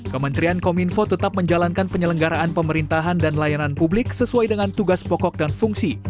kementerian kominfo tetap menjalankan penyelenggaraan pemerintahan dan layanan publik sesuai dengan tugas pokok dan fungsi